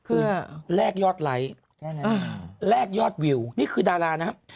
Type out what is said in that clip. คือแลกยอดไลค์แลกยอดวิวนี่คือดารานะครับ